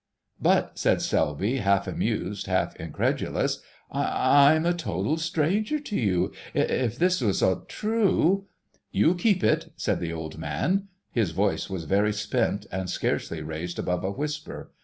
"But," said Selby, half amused, half incredulous, "I—I'm a total stranger to you.... If all this was true——" "You keep it," said the old man. His voice was very spent and scarcely raised above a whisper.